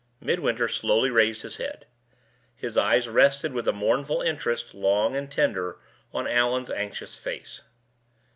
Midwinter slowly raised his head. His eyes rested with a mournful interest, long and tender, on Allan's anxious face.